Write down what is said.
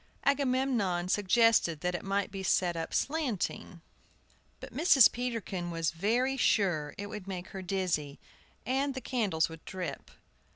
Agamemnon suggested that it might be set up slanting; but Mrs. Peterkin was very sure it would make her dizzy, and the candles would drip.